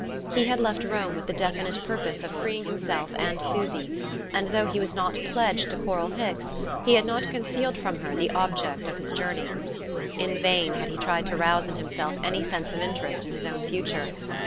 He had left Rome with the definite purpose of freeing himself and Susy; and though he was not pledged to Coral Hicks he had not concealed from her the object of his journey. In vain had he tried to rouse in himself any sense of interest in his own future.